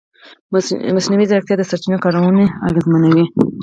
مصنوعي ځیرکتیا د سرچینو کارونه اغېزمنوي.